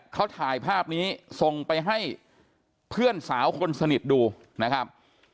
เขาถ่ายภาพนี้ส่งไปให้เพื่อนสาวคนสนิทดูนะครับ